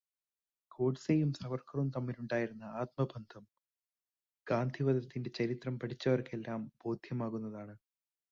ഗോഡ്സെയും സവർക്കറും തമ്മിലുണ്ടായിരുന്ന ആത്മബന്ധം ഗാന്ധിവധത്തിന്റെ ചരിത്രം പഠിച്ചവർക്കെല്ലാം ബോധ്യമാകുന്നതാണ്.